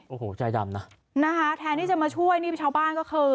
โอ้โหใจดำนะนะคะแทนที่จะมาช่วยนี่ชาวบ้านก็คือ